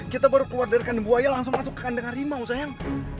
kita baru keluar dari kandung buaya langsung masuk ke kandung harimau sayang